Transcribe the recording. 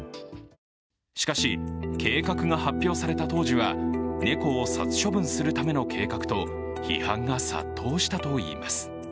しかし、計画が発表された当時は猫を殺処分するための計画と批判が殺到したといいます。